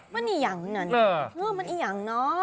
มันอีหยังเนาะนี่เนาะ